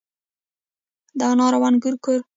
د انار او انګور کور.